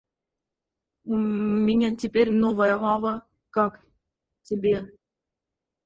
У меня теперь новая ава, как тебе?